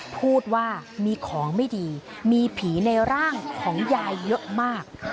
พูดว่ามีของไม่ดีมีผีในร่างของยายเยอะมาก